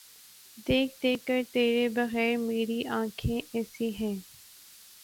دیکھ دیکھ کہ تیرے بغیر میری آنکھیں ایسے ہیں۔